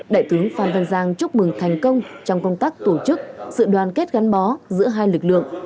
đại tướng phan văn giang chúc mừng thành công trong công tác tổ chức sự đoàn kết gắn bó giữa hai lực lượng